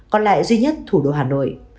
còn lại duy nhất thủ đô hà nội